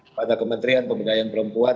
kepada kementerian pembedaan perempuan